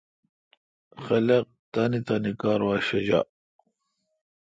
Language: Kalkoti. خلق تانی تانی کار وا ݭجا۔